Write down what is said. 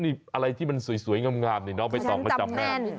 นี่อะไรที่มันสวยงามนี่เนอะไม่ต้องจำแม่น